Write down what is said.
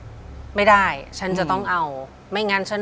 ที่ผ่านมาที่มันถูกบอกว่าเป็นกีฬาพื้นบ้านเนี่ย